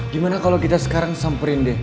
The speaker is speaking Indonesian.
gimana kalau kita sekarang samperin deh